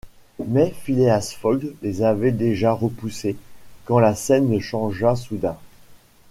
Mais Phileas Fogg les avait déjà repoussés, quand la scène changea soudain.